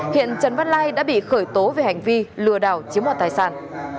hiện trần văn lai đã bị khởi tố về hành vi lừa đảo chiếm đoạt tài sản